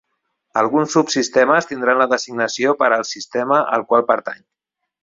Alguns subsistemes tindran la designació per al sistema al qual pertanyen.